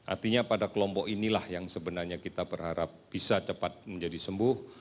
artinya pada kelompok inilah yang sebenarnya kita berharap bisa cepat menjadi sembuh